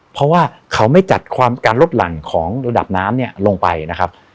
เพราะว่าเขาไม่จัดความการลดหลั่นของระดับน้ำเนี่ยลงไปนะครับ